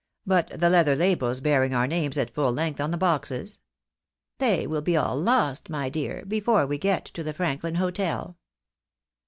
" But the leather labels bearing our names at full length on the boxes ?"" They will be all lost, my dear, before we get to the Franklin hotel."